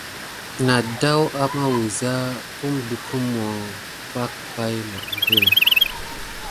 Na ədaw ama wəza aza pum dupummo pake pay mbrən.